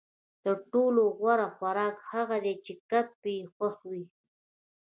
تر ټولو غوره خوراک هغه دی چې کب یې خوښوي